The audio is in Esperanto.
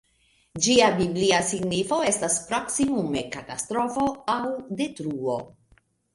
Ĝia biblia signifo estas proksimume ‹katastrofo› aŭ ‹detruo›.